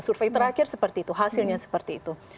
survei terakhir seperti itu hasilnya seperti itu